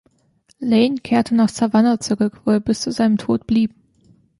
Lane kehrte nach Savannah zurück, wo er bis zu seinem Tod blieb.